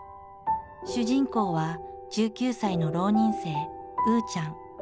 主人公は１９歳の浪人生うーちゃん。